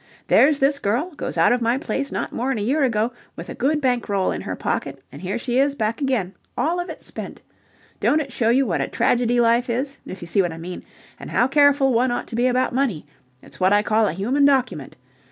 "There's this girl, goes out of my place not more'n a year ago, with a good bank roll in her pocket, and here she is, back again, all of it spent. Don't it show you what a tragedy life is, if you see what I mean, and how careful one ought to be about money? It's what I call a human document.